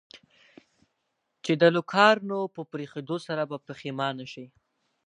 چې د لوکارنو په پرېښودو سره به پښېمانه شې.